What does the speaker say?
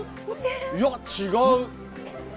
いや、違う。